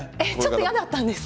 嫌だったんですか？